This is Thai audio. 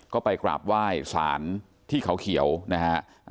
ก็ไปกราบไหว้สารที่เขาเขียวนะฮะ